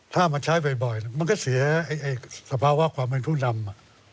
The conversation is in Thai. ถ้ามันใช้บ่อยมันก็เสียสภาวะของผู้นำ